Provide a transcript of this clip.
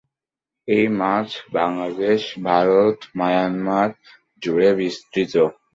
এই মাছ বাংলাদেশ, ভারত, মায়ানমার জুড়ে বিস্তৃত।